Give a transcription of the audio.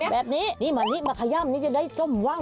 แบบนี้นี่มานิดมาขยับนี่จะได้จมว่าง